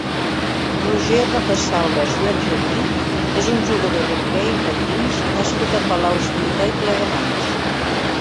Roger Rocasalbas i Argemí és un jugador d'hoquei patins nascut a Palau-solità i Plegamans.